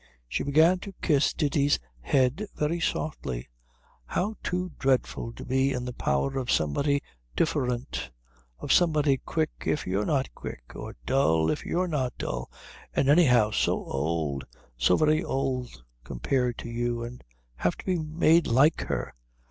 She began to kiss Ditti's head very softly. "How, too, dreadful to be in the power of somebody different; of somebody quick if you're not quick, or dull if you're not dull, and anyhow so old, so very old compared to you, and have to be made like her!